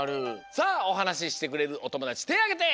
さあおはなししてくれるおともだちてぇあげて！